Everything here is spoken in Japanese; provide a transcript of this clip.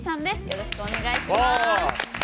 よろしくお願いします。